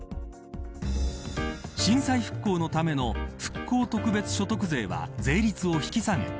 震災復興のための復興特別所得税は税率を引き下げ